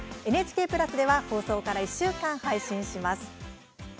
ＮＨＫプラスで放送から１週間、配信します。